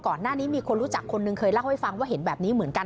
ก่อนหน้านี้มีคนรู้จักคนหนึ่งเคยเล่าให้ฟังว่าเห็นแบบนี้เหมือนกัน